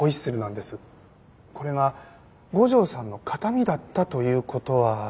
これが五条さんの形見だったという事は？